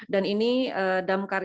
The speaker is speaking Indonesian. dan ini damkar